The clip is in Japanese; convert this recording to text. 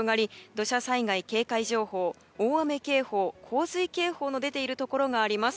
土砂災害警戒情報大雨警報、洪水警報の出ているところがあります。